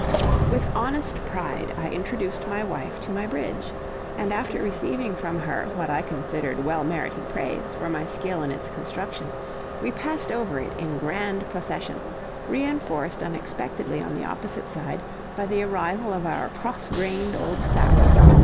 With honest pride I introduced my wife to my bridge, and after receiving from her what I considered well merited praise for my skill in its construction, we passed over it in grand procession, re enforced unexpectedly on the opposite side by the arrival of our cross grained old sow.